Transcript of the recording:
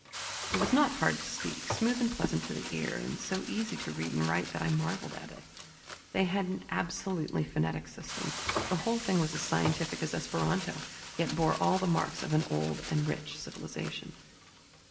It was not hard to speak, smooth and pleasant to the ear, and so easy to read and write that I marveled at it. They had an absolutely phonetic system, the whole thing was as scientific as Esparanto yet bore all the marks of an old and rich civilization.